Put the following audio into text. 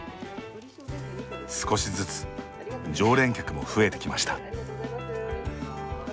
少しずつ常連客も増えてきました。